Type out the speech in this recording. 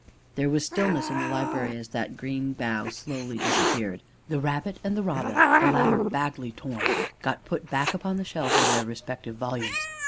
There was stillness in the library as that green bough slowly disappeared. The rabbit and the robin, the latter badly torn, got put back upon the shelves in their respective volumes.